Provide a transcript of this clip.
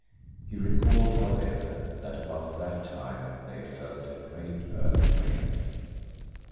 He recalled, however, that about that time they had felt a great earthquake.